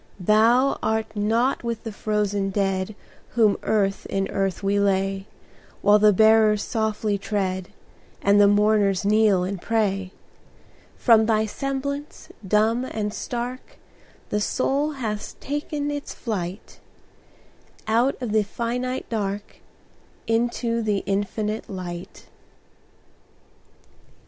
Thou art not with the frozen dead Whom earth in the earth we lay, While the bearers softly tread, And the mourners kneel and pray; From thy semblance, dumb and stark, The soul has taken its flight Out of the finite dark, Into the infinite Light.